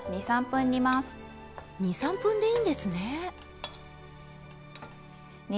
２３分でいいんですね。